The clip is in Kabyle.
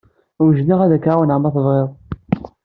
Wejdeɣ ad k-ɛawneɣ ma tebɣid.